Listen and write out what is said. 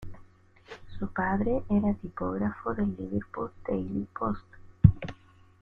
Su padre era tipógrafo del Liverpool Daily Post.